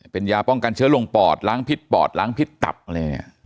เป็นยาป้องกันเชื้อลงปอดล้างพิษปอดล้างพิษตับอะไรเนี่ย